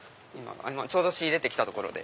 ちょうど仕入れて来たところで。